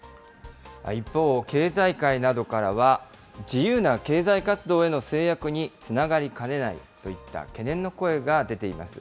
一方、経済界などからは、自由な経済活動への制約につながりかねないといった懸念の声が出ています。